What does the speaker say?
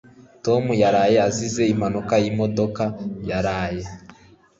Tom yaraye azize impanuka yimodoka yaraye.